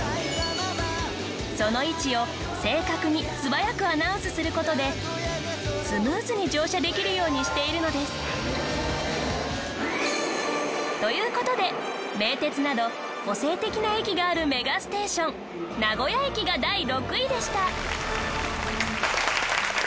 その位置を正確に素早くアナウンスする事でスムーズに乗車できるようにしているのです。という事で名鉄など個性的な駅があるメガステーション名古屋駅が第６位でした。